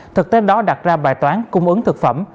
thực tế đó đặt ra bài toán cung ứng thực phẩm